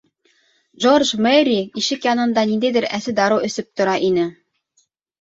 Джордж Мерри ишек янында ниндәйҙер әсе дарыу эсеп тора ине.